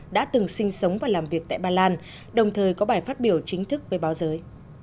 đã từng sinh sống và làm việc tại ba lan đồng thời có bài phát biểu chính thức với báo giới